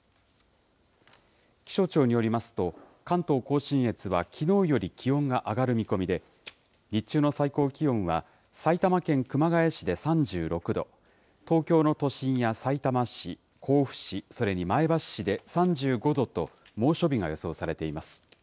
気象庁によりますと、関東甲信越はきのうより気温が上がる見込みで、日中の最高気温は、埼玉県熊谷市で３６度、東京の都心やさいたま市、甲府市、それに前橋市で３５度と、猛暑日が予想されています。